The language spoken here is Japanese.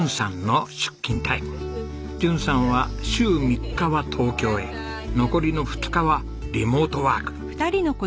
淳さんは週３日は東京へ残りの２日はリモートワーク。